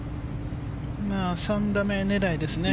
３打目狙いですね。